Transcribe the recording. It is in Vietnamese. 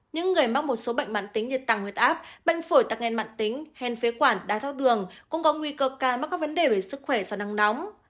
những người mắc một số bệnh mạng tính như tăng huyết áp bệnh phổi tạc nghen mạng tính hèn phế quản đai thoát đường cũng có nguy cơ ca mắc các vấn đề về sức khỏe do nắng nóng